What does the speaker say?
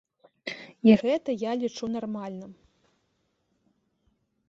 І гэта я лічу нармальным.